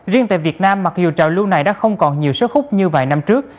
riêng tại việt nam mặc dù trào lưu này đã không còn nhiều sớt khúc như vài năm trước